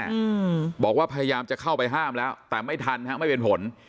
อืมบอกว่าพยายามจะเข้าไปห้ามแล้วแต่ไม่ทันฮะไม่เป็นผล